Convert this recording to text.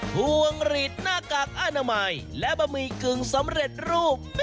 พวงหลีดหน้ากากอนามัยและบะหมี่กึ่งสำเร็จรูป